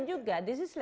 bukan keharusan juga